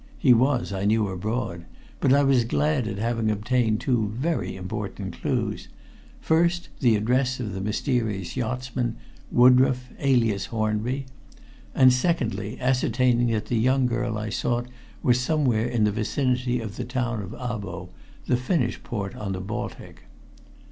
He was, I knew, abroad, but I was glad at having obtained two very important clues: first, the address of the mysterious yachtsman, Woodroffe, alias Hornby, and, secondly, ascertaining that the young girl I sought was somewhere in the vicinity of the town of Abo, the Finnish port on the Baltic.